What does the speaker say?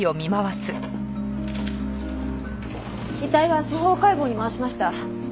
遺体は司法解剖に回しました。